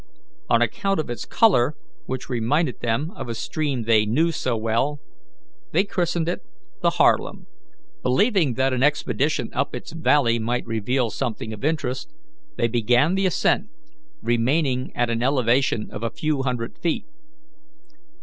On account of its colour, which reminded them of a stream they knew so well, they christened it the Harlem. Believing that an expedition up its valley might reveal something of interest, they began the ascent, remaining at an elevation of a few hundred feet.